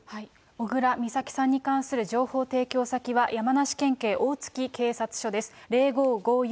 小倉美咲さんに関する情報提供先は、山梨県警大月警察署です。